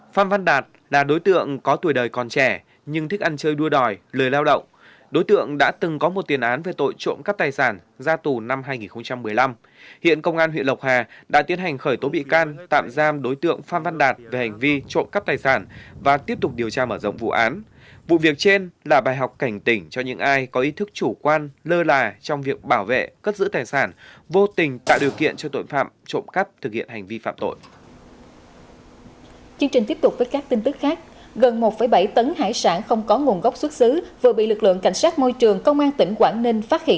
phan văn đạt là đối tượng có tuổi đời còn trẻ nhưng thích ăn chơi đua đòi lời lao động đối tượng đã từng có một tiền án về tội trộm cắp tài sản ra tù năm hai nghìn một mươi năm hiện công an huyện lộc hà đã tiến hành khởi tố bị can tạm giam đối tượng phan văn đạt về hành vi trộm cắp tài sản và tiếp tục điều tra mở rộng vụ án vụ việc trên là bài học cảnh tỉnh cho những ai có ý thức chủ quan lơ là trong việc bảo vệ cất giữ tài sản vô tình tạo điều kiện cho tội phạm trộm cắp thực hiện hành vi phạm tội